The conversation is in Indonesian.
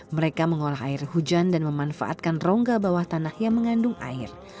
mereka mengolah air hujan dan memanfaatkan rongga bawah tanah yang mengandung air